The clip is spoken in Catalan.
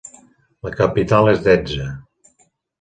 La capital és Dedza.